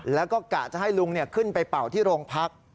แล้วก็กะจะให้ลุงขึ้นไปเป่าที่โรงพัก